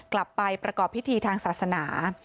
กลับไปประกอบพิธีทางศาสนา